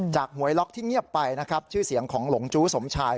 จากหวยล็อกที่เงียบไปชื่อเสียงของหลงจุสมชาย